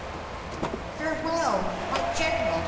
FAREWELL! MY GENERAL!